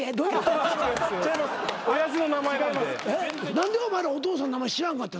何でお前らお父さんの名前知らんかった？